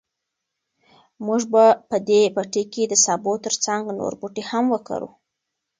موږ به په دې پټي کې د سابو تر څنګ نور بوټي هم وکرو.